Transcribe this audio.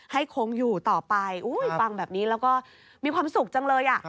ให้คงอยู่ต่อไปฟังแบบนี้แล้วก็มีความสุขจังเลย